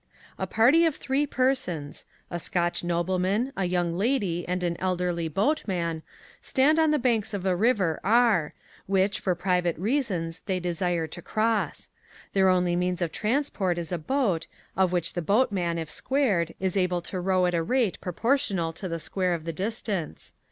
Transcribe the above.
A party of three persons, a Scotch nobleman, a young lady and an elderly boatman stand on the banks of a river (R), which, for private reasons, they desire to cross. Their only means of transport is a boat, of which the boatman, if squared, is able to row at a rate proportional to the square of the distance.